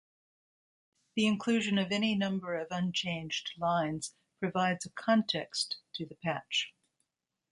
The inclusion of any number of unchanged lines provides a "context" to the patch.